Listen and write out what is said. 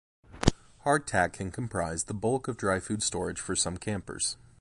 Hardtack can comprise the bulk of dry food storage for some campers.